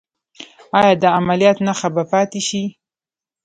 ایا د عملیات نښه به پاتې شي؟